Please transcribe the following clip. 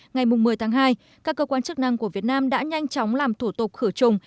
ngày một mươi tháng hai các cơ quan chức năng của việt nam đã nhanh chóng làm thủ tục khử trùng